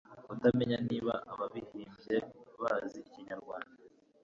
utamenya niba ababihimbye bazi ikinyarwanda,